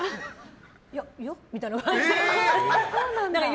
いやみたいな感じで。